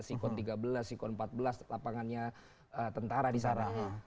sikon tiga belas sikon empat belas lapangannya tentara di sana